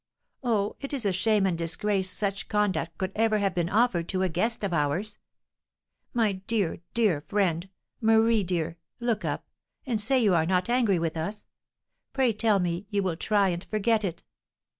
Oh, it is a shame and disgrace such conduct should ever have been offered to a guest of ours! My dear, dear friend Marie, dear! look up, and say you are not angry with us. Pray tell me you will try and forget it!"